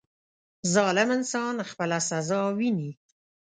• ظالم انسان خپله سزا ویني.